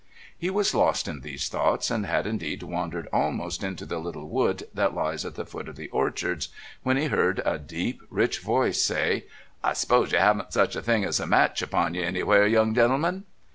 He was lost in these thoughts, and had indeed wandered almost into the little wood that lies at the foot of the Orchards, when he heard a deep rich voice say: "I suppose you 'aven't such a thing as a match upon you anywhere, young gentleman?"